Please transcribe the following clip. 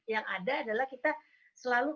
yang ada adalah kita selalu